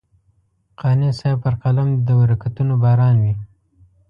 قانع صاحب پر قلم دې د برکتونو باران وي.